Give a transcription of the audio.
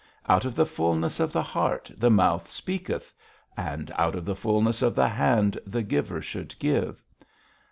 'Out of the fulness of the heart the mouth speaketh,' and out of the fulness of the hand the giver should give.